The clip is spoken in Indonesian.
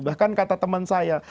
bahkan kata teman saya